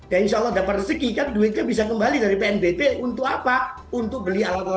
dan insya allah dapat rezeki kan duitnya bisa kembali dari pnbp untuk apa untuk beli alat